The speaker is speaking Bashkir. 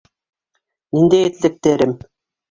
Ниндәй этлектәрем?